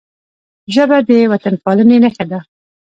ژبه د وطنپالنې نښه ده